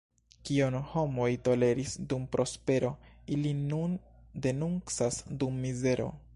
Kion homoj toleris dum prospero, ili nun denuncas dum mizero.